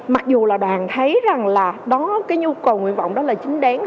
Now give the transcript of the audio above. mặc dù là đoàn thấy rằng là đó cái nhu cầu nguyện vọng đó là chính đáng